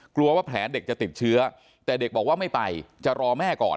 กลัวว่าแผลเด็กจะติดเชื้อแต่เด็กบอกว่าไม่ไปจะรอแม่ก่อน